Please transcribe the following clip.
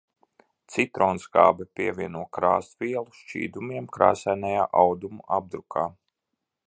Citronskābi pievieno krāsvielu šķīdumiem krāsainajā audumu apdrukā.